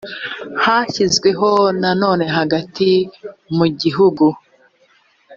hashyizweho na none hagati mu gihugu